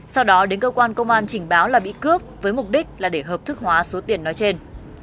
sau đó đến cơ quan công an trình báo là bị cướp với mục đích là để hợp thức hóa số tiền nói trên